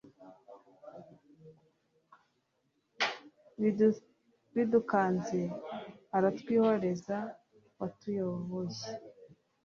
bidukanze uratwihoreza, watuyoboye